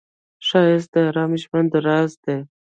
ښایست د آرام ژوند راز دی